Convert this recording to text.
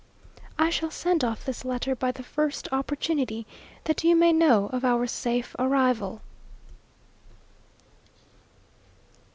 I shall send off this letter by the first opportunity, that you may know of our safe arrival.